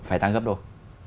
phải tăng gấp đôi